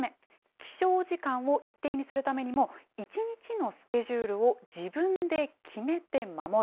起床時間を一定にするためにも、一日のスケジュールを自分で決めて守る。